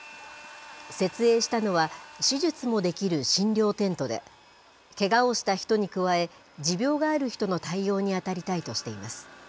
設営したのは、手術もできる診療テントで、けがをした人に加え、持病がある人の対応に当たりたいとしています。